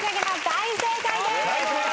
大正解です。